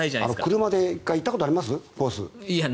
車で１回行ったことあります？コース。